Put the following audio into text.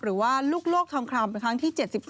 หรือว่าลูกโลกทองคำครั้งที่๗๒